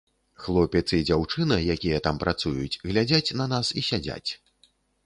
Хлопец і дзяўчына, якія там працуюць, глядзяць на нас і сядзяць.